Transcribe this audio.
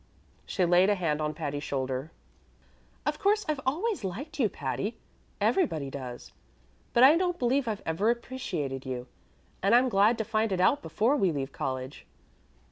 She laid a hand on Patty's shoulder. "Of course I've always liked you, Patty, everybody does, but I don't believe I've ever appreciated you, and I'm glad to find it out before we leave college."